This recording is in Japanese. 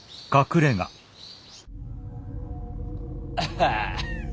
ハハ。